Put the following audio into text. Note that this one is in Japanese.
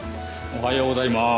おはようございます。